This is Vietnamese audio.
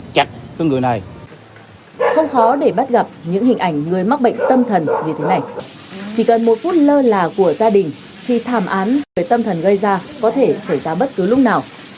chỉ cần một phút lơ là của gia đình thì thảm án về tâm thần gây ra có thể xảy ra bất cứ lúc nào